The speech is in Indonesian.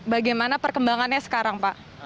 bagaimana perkembangannya sekarang pak